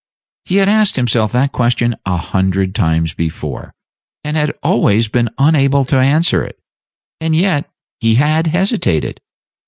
He had asked himself that question a hundred times before, and had always been unable to answer it; and yet he had hesitated.